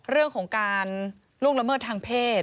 เรื่องของการล่วงละเมิดทางเพศ